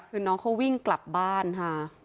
คือน้องเขาวิ่งกลับบ้านค่ะ